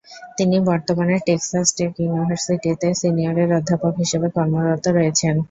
তিনি বর্তমানে Texas Tech ইউনিভার্সিটিতে সিনিয়র অধ্যাপক হিসেবে কর্মরত রয়েছেন।